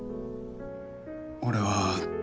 俺は。